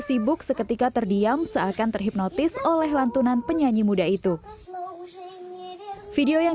sibuk seketika terdiam seakan terhipnotis oleh lantunan penyanyi muda itu video yang